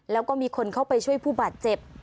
แล้วก็มีคนเข้าไปช่วยผู้บาดเจ็บ